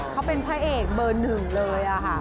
เขาเป็นพระเอกเบอร์หนึ่งเลยค่ะ